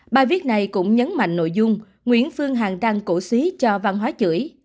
bài viết này cũng nhấn mạnh nội dung nguyễn phương hằng đang cổ xí cho văn hóa chuỗi